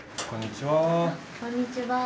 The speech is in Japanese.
こんにちは。